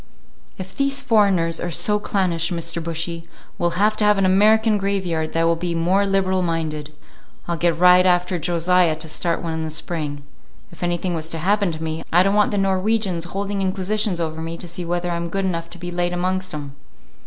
"If these foreigners are so clannish, Mr. Bushy, we'll have to have an American graveyard that will be more liberal minded. I'll get right after Josiah to start one in the spring. If anything was to happen to me, I don't want the Norwegians holding inquisitions over me to see whether I'm good enough to be laid amongst 'em."